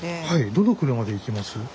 どの車で行きます？